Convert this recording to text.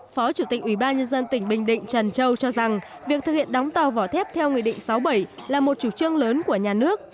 phó chủ tịch ubnd tỉnh bình định trần châu cho rằng việc thực hiện đóng tàu vỏ thép theo nguyện định sáu bảy là một chủ trương lớn của nhà nước